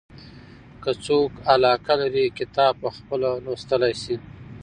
که څوک علاقه لري کتاب پخپله لوستلای شي.